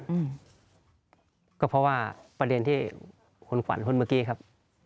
อืมก็เพราะว่าประเด็นที่คุณขวัญพูดเมื่อกี้ครับ